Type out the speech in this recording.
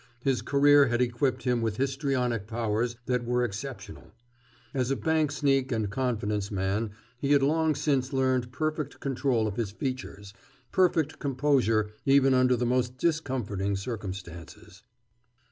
His career had equipped him with histrionic powers that were exceptional. As a bank sneak and confidence man he had long since learned perfect control of his features, perfect composure even under the most discomforting circumstances.